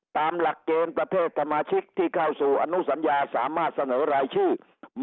ตามหลักเกณฑ์ประเภทสมาชิกที่เข้าสู่อนุสัญญาสามารถเสนอรายชื่อ